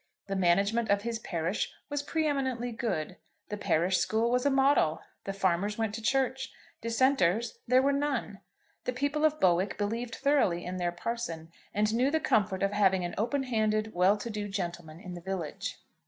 The management of his parish was pre eminently good. The parish school was a model. The farmers went to church. Dissenters there were none. The people of Bowick believed thoroughly in their parson, and knew the comfort of having an open handed, well to do gentleman in the village.